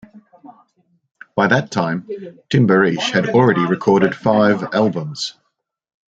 By that time, Timbiriche had already recorded five albums.